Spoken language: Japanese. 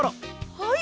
はい！